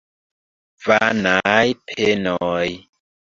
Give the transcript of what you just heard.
Vanaj penoj!